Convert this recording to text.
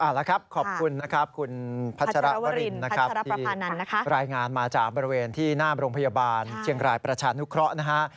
อ้าวแล้วครับขอบคุณคุณพัชรวรินทร์ที่รายงานมาจากบริเวณที่หน้าโรงพยาบาลเชียงรายประชานุเคราะห์